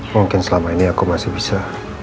mungkin selama ini aku masih bisa